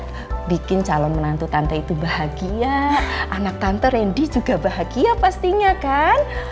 saya bikin calon menantu tante itu bahagia anak tante randy juga bahagia pastinya kan